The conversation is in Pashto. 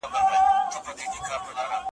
هغه ځای چي تا یې کړي دي نکلونه `